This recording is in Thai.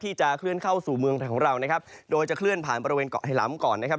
จะเคลื่อนเข้าสู่เมืองไทยของเรานะครับโดยจะเคลื่อนผ่านบริเวณเกาะไฮล้ำก่อนนะครับ